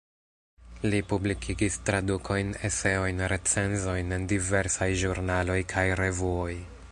Li publikigis tradukojn, eseojn, recenzojn en diversaj ĵurnaloj kaj revuoj.